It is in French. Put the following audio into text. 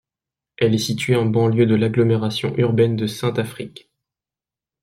Elle est située en banlieue de l'agglomération urbaine de Saint-Affrique.